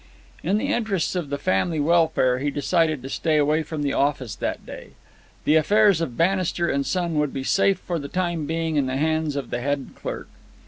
In the interests of the family welfare he decided to stay away from the office that day. The affairs of Bannister & Son would be safe for the time being in the hands of the head clerk.